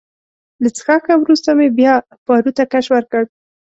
له څښاکه وروسته مې بیا پارو ته کش ورکړ.